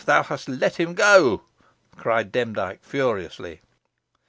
thou hast let him go," cried Demdike, furiously.